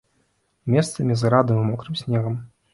Месцамі з градам і мокрым снегам.